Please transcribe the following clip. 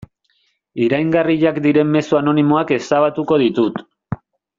Iraingarriak diren mezu anonimoak ezabatuko ditut.